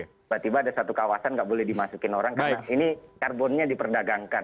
tiba tiba ada satu kawasan nggak boleh dimasukin orang karena ini karbonnya diperdagangkan